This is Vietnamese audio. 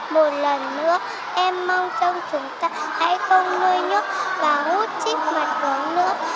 một lần nữa em mong rằng chúng ta hãy không nuôi nhốt và hút thích mật gấu nữa